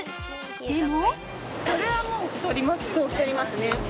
でも。